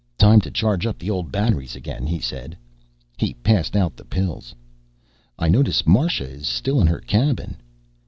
"Time to charge up the old batteries again," he said. He passed out the pills. "I notice Marsha is still in her cabin."